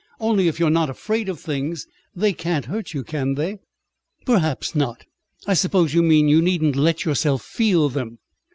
Only if you're not afraid of things, they can't hurt you, can they?" "Perhaps not. I suppose you mean you needn't let yourself feel them.